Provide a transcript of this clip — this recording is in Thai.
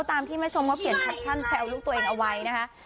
ตามที่แม่ชมเขาเขียนแคปชั่นแซวลูกตัวเองเอาไว้นะคะ